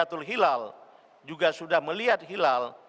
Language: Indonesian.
jika kita melihat hilal juga sudah melihat hilal